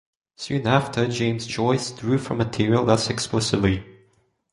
Soon after, James Joyce drew from material less explicitly.